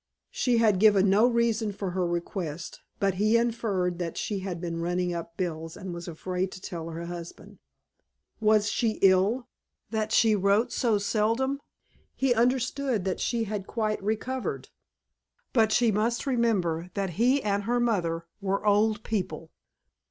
She had given no reason for her request, but he inferred that she had been running up bills and was afraid to tell her husband. Was she ill, that she wrote so seldom? He understood that she had quite recovered. But she must remember that he and her mother were old people.